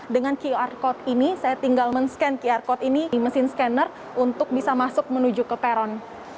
dengan qr code ini saya tinggal men scan qr code ini di mesin scanner untuk bisa masuk menuju ke peron